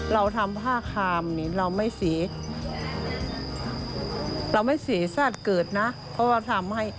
เราทำผ้าครามเราไม่เสียสาดเกิดนะ